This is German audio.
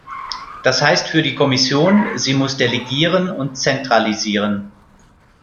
Das heißt für die Kommission, sie muss delegieren und dezentralisieren.